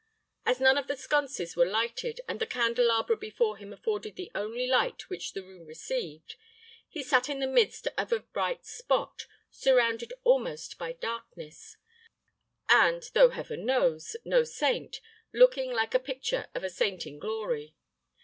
As none of the sconces were lighted, and the candelabra before him afforded the only light which the room received, he sat in the midst of a bright spot, surrounded almost by darkness, and, though Heaven knows, no saint, looking like the picture of a saint in glory.